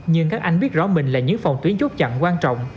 nhưng các anh biết rõ mình là những phòng tuyến chốt chặn quan trọng